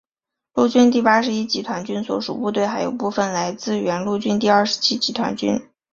陆军第八十一集团军所属部队还有部分来自原陆军第二十七集团军。